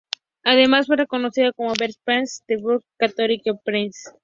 Además, fue reconocida como Best Place To Work en la categoría retail.